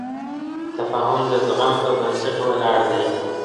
تفاهم د زغم په بنسټ ولاړ دی.